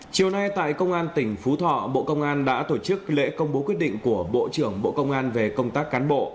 chiều nay tại công an tỉnh phú thọ bộ công an đã tổ chức lễ công bố quyết định của bộ trưởng bộ công an về công tác cán bộ